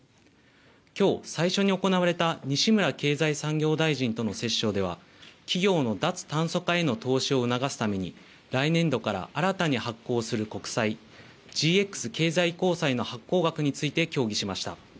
きょう最初に行われた西村経済産業大臣との折衝では企業の脱炭素化への投資を促すために来年度から新たに発行する国債ＧＸ経済移行債の発行額について協議しました。